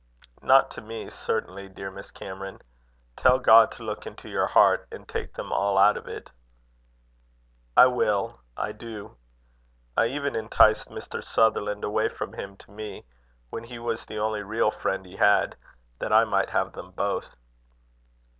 "Not to me, certainly, dear Miss Cameron. Tell God to look into your heart, and take them all out of it." "I will. I do. I even enticed Mr. Sutherland away from him to me, when he was the only real friend he had, that I might have them both."